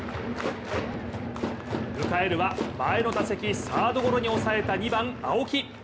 迎えるは前の打席サードゴロに抑えた２番・青木。